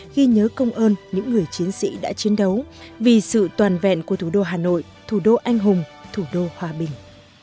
ghi nhớ công ơn những người chiến sĩ đã chiến đấu vì sự toàn vẹn của thủ đô hà nội thủ đô anh hùng thủ đô hòa bình